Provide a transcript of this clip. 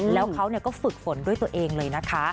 แล้วเขาก็ฝึกฝนด้วยตัวเองเลยนะคะ